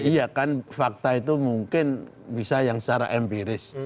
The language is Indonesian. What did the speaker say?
iya kan fakta itu mungkin bisa yang secara empiris